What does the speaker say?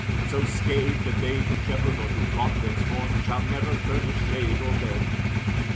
So scathed, that they to shepherd or to flock Thenceforth shall never furnish shade or bed.